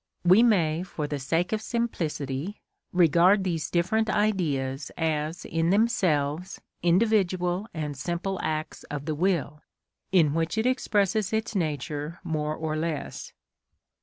We may, for the sake of simplicity, regard these different Ideas as in themselves individual and simple acts of the will, in which it expresses its nature more or less.